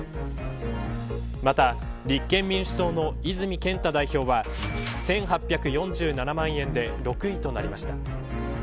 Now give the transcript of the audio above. また、立憲民主党の泉健太代表は１８４７万円で６位となりました。